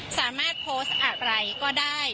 สามารถโพสต์อะไรก็ได้